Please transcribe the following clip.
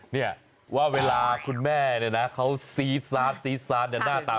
นี่ว่าเวลาคุณแม่นี่นะเขาซีซานหน้าตาเป็นอย่างไร